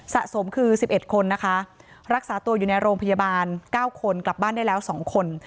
สะสมคือสิบเอ็ดคนนะคะรักษาตัวอยู่ในโรงพยาบาลเก้าคนกลับบ้านได้แล้วสองคน